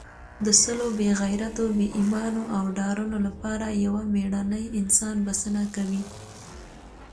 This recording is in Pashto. د سلو بې غیرتو، بې ایمانو او ډارنو لپاره یو مېړنی انسان بسنه کوي.